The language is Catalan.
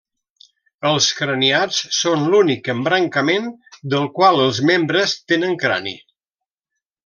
Els craniats són l'únic embrancament del qual els membres tenen crani.